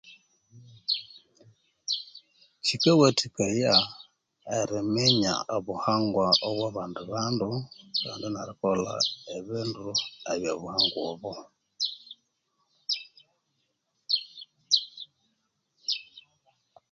Kikawathikaya eriminya obuhangwa obwa band bandu kand nerikolha ebindu ebyobuhangwa obwo